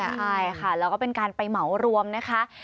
ใช่ค่ะแล้วก็เป็นการไปเหมารวมนะคะ